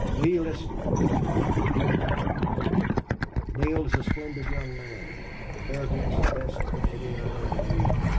"Lee listen!" returned General Lodge, violently. "Neale is a splendid young man the nerviest, best engineer I ever knew.